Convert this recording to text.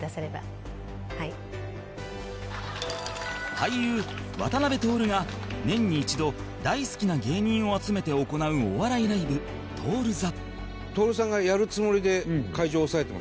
俳優渡辺徹が年に一度大好きな芸人を集めて行うお笑いライブ徹座